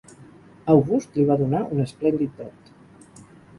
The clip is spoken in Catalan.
August li va donar un esplèndid dot.